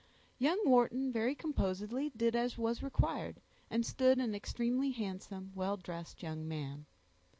Young Wharton very composedly did as was required and stood an extremely handsome, well dressed young man.